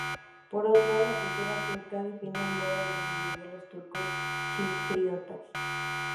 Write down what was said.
Por otro, la cultura turca define el modo de vivir de los turco-chipriotas.